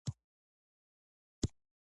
دوی په یو ځانګړي وضعیت کې دي.